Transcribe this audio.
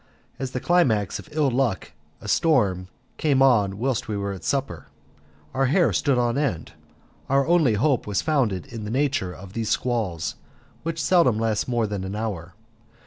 As the climax of ill luck a storm came on whilst we were at supper. Our hair stood on end; our only hope was founded in the nature of these squalls, which seldom last more than an hour.